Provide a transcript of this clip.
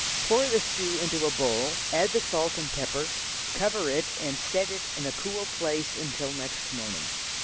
Pour the stew into a bowl, add the salt and pepper, cover it and set in a cool place until next morning.